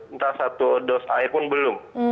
entah satu dos air pun belum